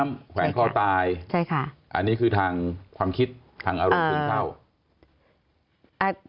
น้ำแขวงคลอตายอันนี้คือทางความคิดทางอารมณ์ขึ้นเข้า